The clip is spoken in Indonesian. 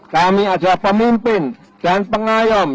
kami adalah pemimpin dan pengayom